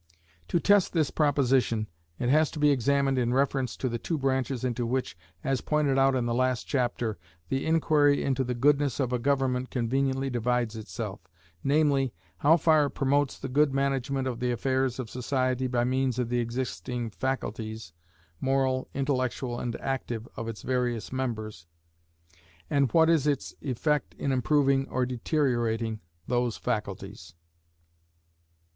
To test this proposition, it has to be examined in reference to the two branches into which, as pointed out in the last chapter, the inquiry into the goodness of a government conveniently divides itself, namely, how far it promotes the good management of the affairs of society by means of the existing faculties, moral, intellectual, and active, of its various members, and what is its effect in improving or deteriorating those faculties.